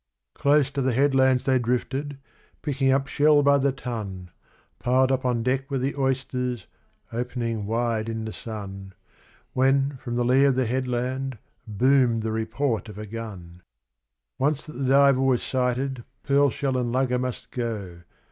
Close to the headlands they drifted, picking up shell by the ton, Piled up on deck were the oysters, opening wide in the sun, When, from the lee of the headland, boomed the report of a gun. Once that the diver was sighted pearl shell and lugger must go.